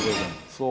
そう。